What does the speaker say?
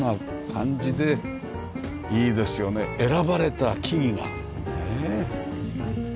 いいですよね選ばれた木々がねえ。